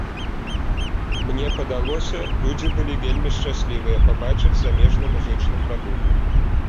Мне падалося, людзі былі вельмі шчаслівыя пабачыць замежны музычны прадукт.